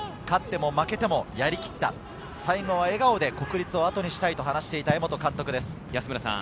勝っても負けてもやりきった、最後は笑顔で国立を後にしたいと話していた江本監督です。